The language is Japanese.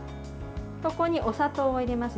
ここにお砂糖を入れます。